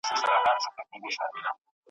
چي تر څو دا جهالت وي چي تر څو همدغه قام وي ,